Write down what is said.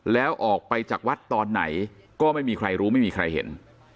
แล้วออกไปจากวัดตอนไหนก็ไม่มีใครรู้ไม่มีใครเห็น